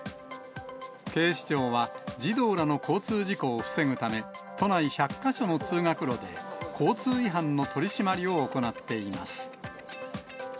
警視庁は児童らの交通事故を防ぐため、都内１００か所の通学路で、交通違反の取締りを行っています。